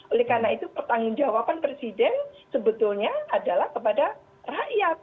oleh karena itu pertanggung jawaban presiden sebetulnya adalah kepada rakyat